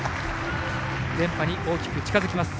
連覇に大きく近づきます。